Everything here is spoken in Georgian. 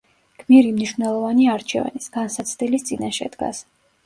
გმირი მნიშვნელოვანი არჩევანის, განსაცდელის წინაშე დგას.